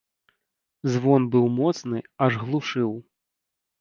Звон быў моцны, аж глушыў.